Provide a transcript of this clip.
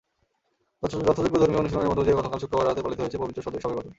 যথাযোগ্য ধর্মীয় অনুশীলনের মধ্য দিয়ে গতকাল শুক্রবার রাতে পালিত হয়েছে পবিত্র শবে কদর।